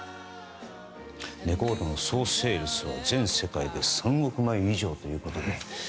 レコードの総セールスは全世界で３億枚以上ということで。